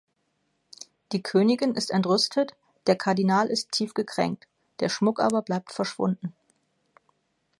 Die Königin ist entrüstet, der Kardinal ist tief gekränkt, der Schmuck aber bleibt verschwunden.